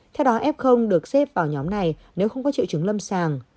theo đó f được xếp vào nhóm này nếu không có triệu chứng lâm sàng